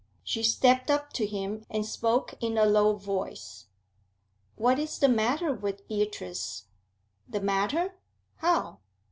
She stepped up to him, and spoke in a low voice. 'What is the matter with Beatrice?' 'The matter? How?'